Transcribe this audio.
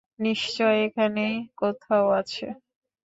নিশ্চয় এখানেই কোথাও আছে।